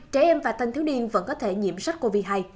hai trẻ em và thanh thiếu nhiên vẫn có thể nhiễm sắc covid một mươi chín